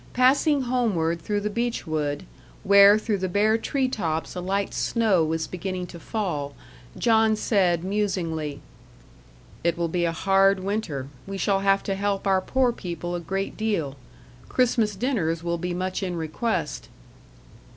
Passing homeward through the beech wood, where through the bare tree tops a light snow was beginning to fall, John said, musingly: "It will be a hard winter we shall have to help our poor people a great deal. Christmas dinners will be much in request."